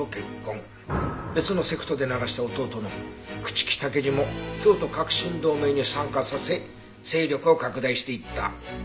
別のセクトで鳴らした弟の朽木武二も京都革新同盟に参加させ勢力を拡大していった。